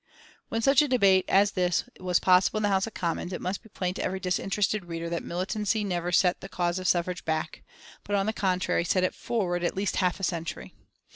When such a debate as this was possible in the House of Commons, it must be plain to every disinterested reader that militancy never set the cause of suffrage back, but on the contrary, set it forward at least half a century.